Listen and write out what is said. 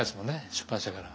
出版社から。